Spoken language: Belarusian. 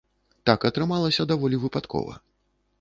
Так атрымалася даволі выпадкова.